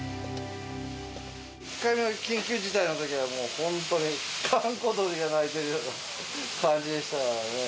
１回目の緊急事態のときは、もう本当に、閑古鳥が鳴いてるような感じでしたからね。